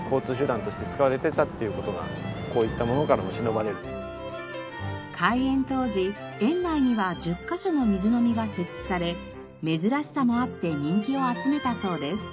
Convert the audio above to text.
この器のところに開園当時園内には１０カ所の水飲みが設置され珍しさもあって人気を集めたそうです。